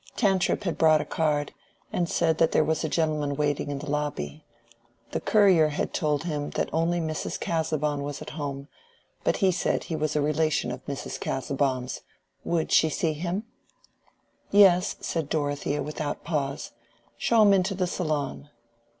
Tantripp had brought a card, and said that there was a gentleman waiting in the lobby. The courier had told him that only Mrs. Casaubon was at home, but he said he was a relation of Mr. Casaubon's: would she see him? "Yes," said Dorothea, without pause; "show him into the salon."